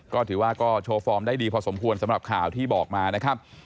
ก็ถือว่าก็โชว์ฟอร์มได้ดีพอสมควรสำหรับข่าวที่บอกมานะครับ